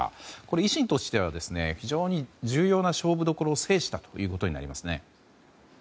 維新としては非常に重要な勝負所を制したことになりますね。